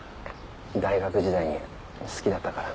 大学時代に好きだったから。